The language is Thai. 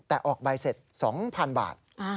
แต่ออกใบเสร็จ๒๐๐๐บาท